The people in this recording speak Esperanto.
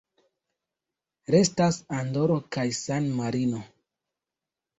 Restas Andoro kaj San-Marino.